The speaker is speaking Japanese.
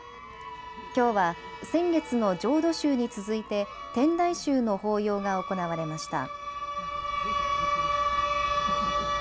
きょうは先月の浄土宗に続いて天台宗の法要が行われました。